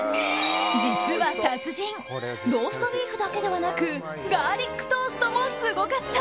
実は達人ローストビーフだけではなくガーリックトーストもすごかった。